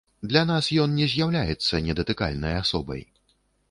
Для нас ён не з'яўляецца недатыкальнай асобай.